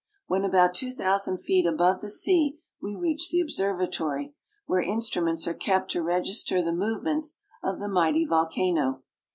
When about two thousand feet above the sea we reach the observatory, where instruments are kept to register the movements of the mighty volcano.